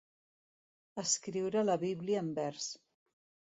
Escriure la Bíblia en vers.